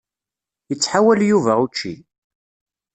Ittḥawal Yuba učči.